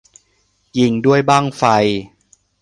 ยิงด้วยบั้งไฟ